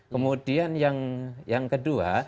kemudian yang kedua